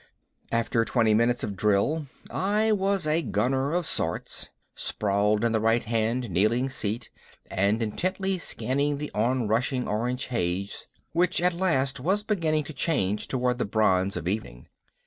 After twenty minutes of drill I was a gunner of sorts, sprawled in the right hand kneeling seat and intently scanning the onrushing orange haze which at last was beginning to change toward the bronze of evening.